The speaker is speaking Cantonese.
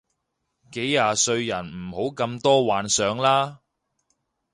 幾廿歲人唔好咁多幻想啦